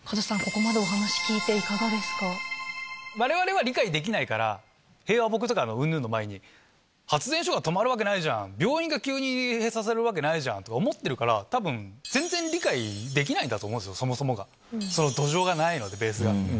カズさん、われわれは理解できないから、平和ボケとかうんぬんの前に、発電所が止まるわけないじゃん、病院が急に閉鎖されるわけないじゃんとか、思ってるから、たぶん、全然理解できないんだと思うんですよ、そもそもが、その土壌がないので、ベースが。